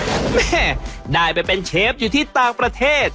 แม่ได้ไปเป็นเชฟอยู่ที่ต่างประเทศ